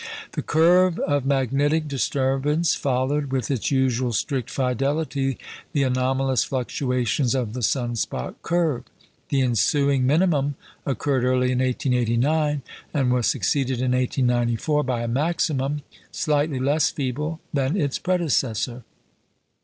The curve of magnetic disturbance followed with its usual strict fidelity the anomalous fluctuations of the sun spot curve. The ensuing minimum occurred early in 1889, and was succeeded in 1894 by a maximum slightly less feeble than its predecessor.